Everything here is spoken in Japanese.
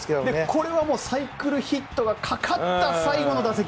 これはもうサイクルヒットがかかった最後の打席。